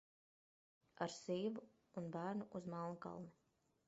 Ar sievu un bērnu uz Melnkalni!